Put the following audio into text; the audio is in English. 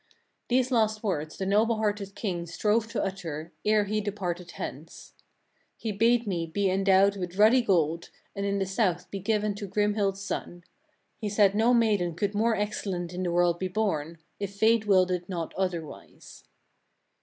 16. These last words the noble hearted king strove to utter, ere he departed hence. 17. He bade me be endowed with ruddy gold, and in the south be given to Grimhild's son. He said no maiden could more excellent in the world be born, if fate willed it not otherwise.